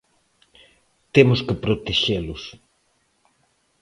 Temos que protexelos.